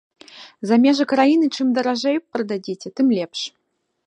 За межы краіны чым даражэй прададзіце, тым лепш.